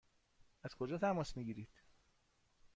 از کجا تماس می گیرید؟